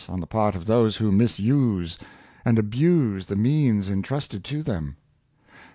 375 on the part of those who misuse and abuse the means intrusted to them.